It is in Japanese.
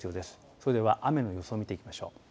それでは雨の予想見ていきましょう。